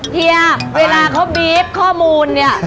เฮียเวลาเขาบีฟข้อมูลเนี่ย